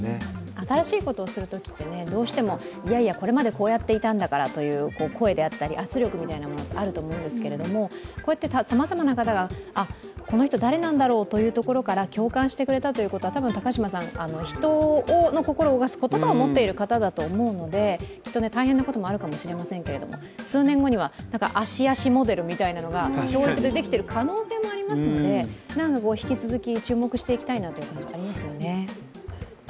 新しいことをするときってどうしてもいやいやこれまでこうやってたんだからっていう声であったり圧力みたいなものがあるんですけれどもこうやってさまざまな方がこの人誰なんだろうというところから共感してくれたということは多分、高島さんは人の心を動かす言葉を持っている方だと思うので大変だと思いますけど数年後には芦屋市モデルみたいなものが教育でできている可能性もありますので引き続き注目していきたいなと思いますね。